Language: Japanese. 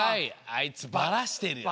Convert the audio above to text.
あいつバラしてるよ。